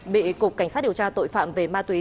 bị cục cảnh sát điều tra tội phạm về ma túy